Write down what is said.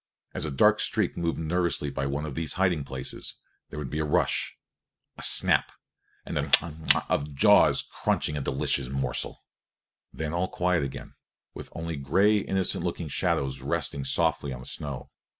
As a dark streak moved nervously by one of these hiding places there would be a rush, a snap, the pchap pchap of jaws crunching a delicious morsel; then all quiet again, with only gray, innocent looking shadows resting softly on the snow.